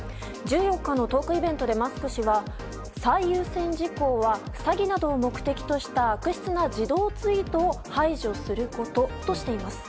１４日のトークイベントでマスク氏は、最優先事項は詐欺などを目的とした悪質な自動ツイートを排除することとしています。